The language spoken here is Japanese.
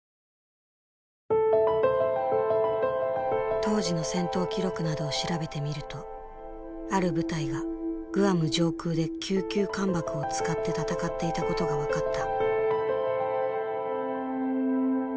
当時の戦闘記録などを調べてみるとある部隊がグアム上空で九九艦爆を使って戦っていたことが分かった。